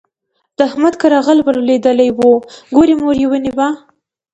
د احمد کره غل ور لوېدلی وو؛ ګوری موری يې ونيو.